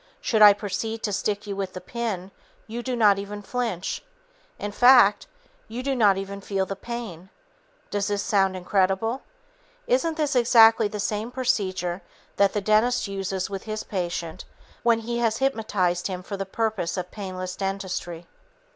Should I proceed to stick you with the pin, you do not even flinch. In fact, you do not even feel the pain. Does this sound incredible? Isn't this exactly the same procedure that the dentist uses with his patient when he has hypnotized him for the purpose of painless dentistry?